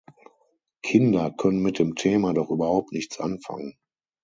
Kinder können mit dem Thema doch überhaupt nichts anfangen.